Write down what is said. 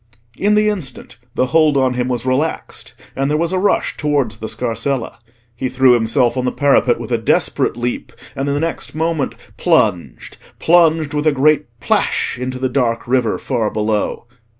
In the instant the hold on him was relaxed, and there was a rush towards the scarsella. He threw himself on the parapet with a desperate leap, and the next moment plunged—plunged with a great plash into the dark river far below.